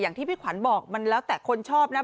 ที่พี่ขวัญบอกมันแล้วแต่คนชอบนะ